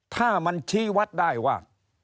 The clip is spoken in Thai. ถ้ามันชี้วัดได้ว่า